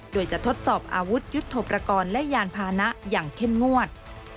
โดยจะทดสอบอาวุธยุทธโปรกรณ์และยานพานะอย่างเข้มงวด